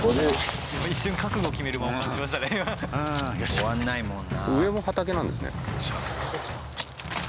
終わんないもんな。